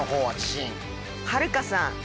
はるかさん。